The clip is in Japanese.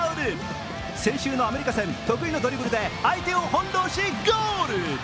先週のアメリカ戦、得意のドリブルで相手を翻弄しゴール。